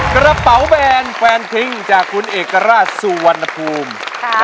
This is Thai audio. กระเป๋าแบรนด์แฟนทิ้งจากคุณเอกราชสุวรรณภูมิ